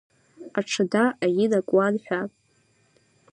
Аҽада аин акуан ҳәа…